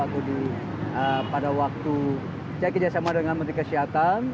waktu di pada waktu saya kerjasama dengan menteri kesehatan